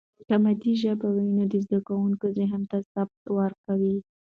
که مادي ژبه وي، نو د زده کوونکي ذهن ته ثبات ورکوي.